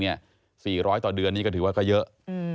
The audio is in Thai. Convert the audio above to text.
๔๐๐ต่อเดือนนี้ก็ถือว่าก็เยอะ